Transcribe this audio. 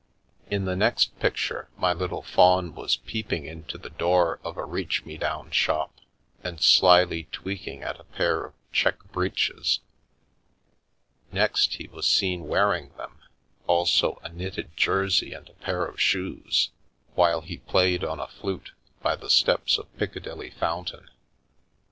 In the next picture my little faun was peeping into the door of a " reach me down " shop, and slyly tweaking at a pair of check breeches. Next he was seen wearing them, also a knitted jersey and a pair of shoes, while he played on a flute by the steps of Piccadilly fountain.